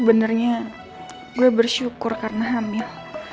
sebenarnya gue bersyukur karena hamil